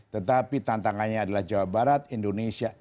tetapi tantangannya adalah jawa barat indonesia